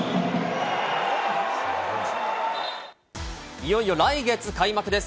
いよいよ来月開幕です。